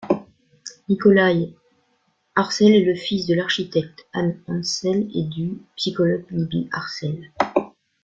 Nikolaj Arcel est le fils de l’architecte Anne Ancel et du psychologue Libby Arcel.